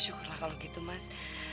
syukurlah kalau gitu mas